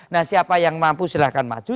nah siapa yang mampu silahkan maju